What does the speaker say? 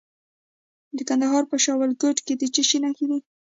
د کندهار په شاه ولیکوټ کې د څه شي نښې دي؟